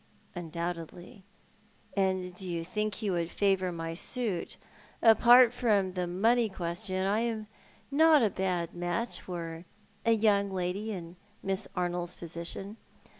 " Undoubtedly ! And do you think he w'ould favour my suit ? Apart from the money question, I am not a bad match for a young lady in Miss Arnold's position.